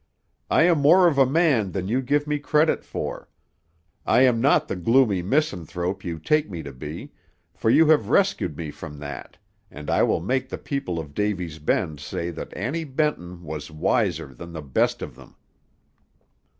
I am more of a man than you give me credit for; I am not the gloomy misanthrope you take me to be, for you have rescued me from that, and I will make the people of Davy's Bend say that Annie Benton was wiser than the best of them!"